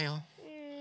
うん。